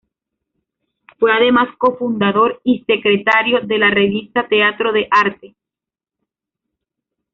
Fue además cofundador y secretario de la revista Teatro de Arte.